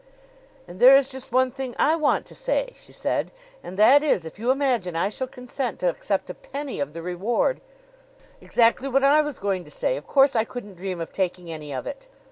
"And there is just one thing I want to say," she said; "and that is, if you imagine I shall consent to accept a penny of the reward " "Exactly what I was going to say. Of course I couldn't dream of taking any of it."